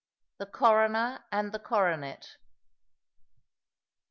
THE CORONER AND THE CORONET.